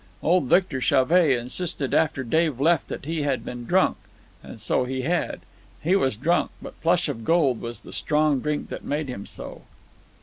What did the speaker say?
Old Victor Chauvet insisted after Dave left that he had been drunk. And so he had. He was drunk, but Flush of Gold was the strong drink that made him so.